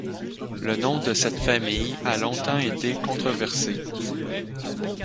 Le nom de cette famille a longtemps été controversé.